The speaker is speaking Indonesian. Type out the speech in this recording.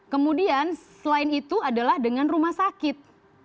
kemudian selain itu adalah dengan rumah sakit